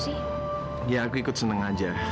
ya aku ikut seneng aja